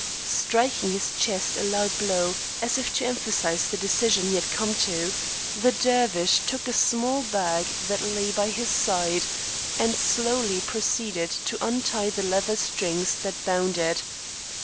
Striking his chest a loud blow, as if to emphasize the decision he had come to, the Dervish took a small bag that lay by his side, and slowly proceeded to untie the leather strings that bound it.